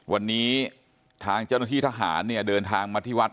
วันนี้ทางเจ้าหน้าที่ทหารเนี่ยเดินทางมาที่วัด